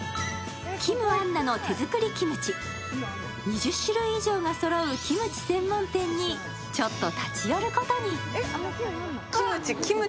金杏奈の手作りキムチ、２０種類以上がそろうキムチ専門店にちょっと立ち寄ることに。